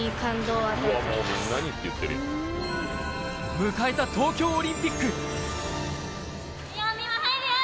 迎えた東京オリンピック。